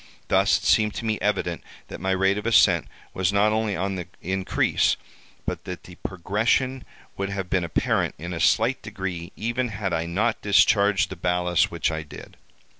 Thus it seemed to me evident that my rate of ascent was not only on the increase, but that the progression would have been apparent in a slight degree even had I not discharged the ballast which I did.